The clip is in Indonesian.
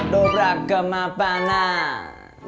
dobrak ke mapanan